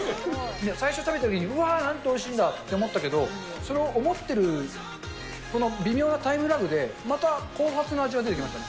最初食べたときに、うわー、なんておいしいんだって思ったけど、それを思ってるこの微妙なタイムラグで、また後発の味が出てきましたね。